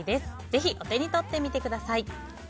ぜひ、お手に取ってみてください。